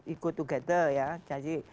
ikut together ya jadi